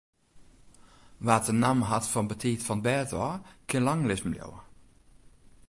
Wa't de namme hat fan betiid fan 't bêd ôf, kin lang lizzen bliuwe.